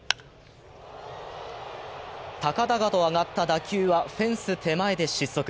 高々と上がった打球はフェンス手前で失速。